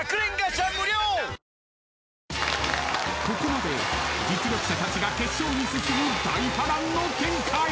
［ここまで実力者たちが決勝に進む大波乱の展開！］